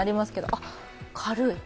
あっ、軽い！